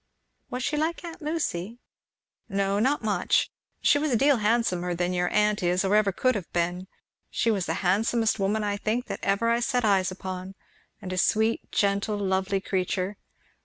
"Was she like aunt Lucy?" "No, not much. She was a deal handsomer than your aunt is or ever could have been. She was the handsomest woman, I think, that ever I set eyes upon; and a sweet, gentle, lovely creature.